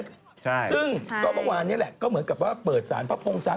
ใช่ซึ่งก็เมื่อวานนี้แหละก็เหมือนกับว่าเปิดสารพระพงศาล